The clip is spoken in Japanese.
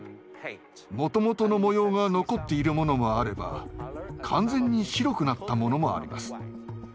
もともとの模様が残っているものもあれば完全に白くなったものもあります。